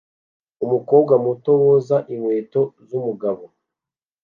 Umukobwa muto woza inkweto zumugabo